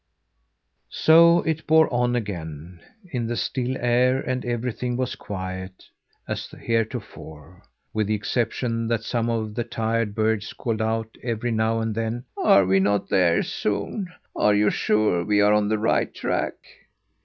So it bore on again, in the still air, and everything was as quiet as heretofore with the exception that some of the tired birds called out every now and then: "Are we not there soon? Are you sure we're on the right track?"